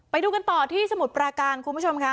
ไปดูกันต่อที่สมุทรปราการคุณผู้ชมค่ะ